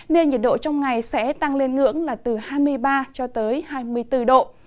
nên nhiệt độ trong ngày sẽ tăng lên ngưỡng là từ hai mươi ba cho tới hai mươi bốn độ